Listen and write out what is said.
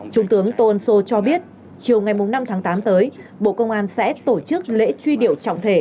trung tướng tô ân sô cho biết chiều ngày năm tháng tám tới bộ công an sẽ tổ chức lễ truy điệu trọng thể